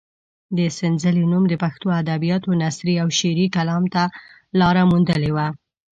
د سنځلې نوم د پښتو ادبیاتو نثري او شعري کلام ته لاره موندلې ده.